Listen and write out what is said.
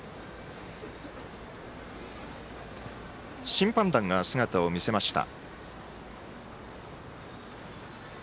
審判団が姿を見せました。